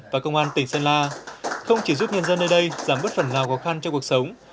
và công an tỉnh sơn la không chỉ giúp nhân dân nơi đây giảm bớt phần nào khó khăn cho cuộc sống